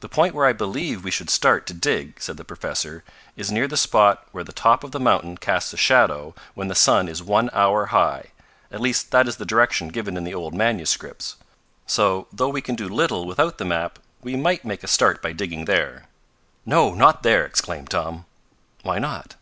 "The point where I believe we should start to dig," said the professor, "is near the spot where the top of the mountain casts a shadow when the sun is one hour high. At least that is the direction given in the old manuscripts. So, though we can do little without the map, we might make a start by digging there." "No, not there!" exclaimed Tom. "Why not?"